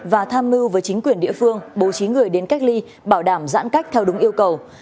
và tham mưu với chính quyền địa phương bố trí người đến cách ly bảo đảm giãn cách theo đúng yêu cầu